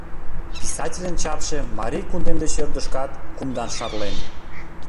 Писательын чапше Марий кундем деч ӧрдыжкат кумдан шарлен.